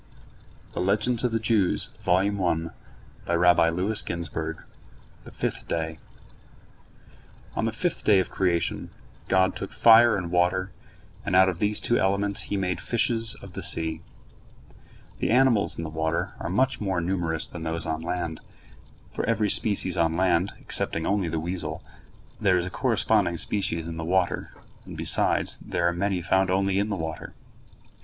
THE FIFTH DAY On the fifth day of creation God took fire and water, and out of these two elements He made the fishes of the sea. The animals in the water are much more numerous than those on land. For every species on land, excepting only the weasel, there is a corresponding species in the water, and, besides, there are many found only in the water.